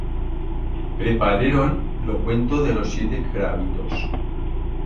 Prepareron lo cuento de los siete crabitos.